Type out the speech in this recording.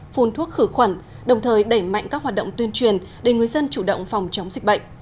phun thuốc khử khuẩn đồng thời đẩy mạnh các hoạt động tuyên truyền để người dân chủ động phòng chống dịch bệnh